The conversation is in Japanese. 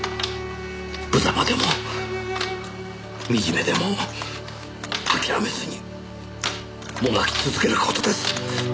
無様でもみじめでも諦めずにもがき続ける事です。